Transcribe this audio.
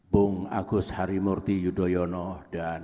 bung agus harimurti yudhoyono dan